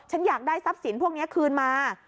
ฉันอยากได้ทรัพย์สินพวกนี้คืนมา